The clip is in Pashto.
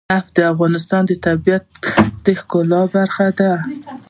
نفت د افغانستان د طبیعت د ښکلا برخه ده.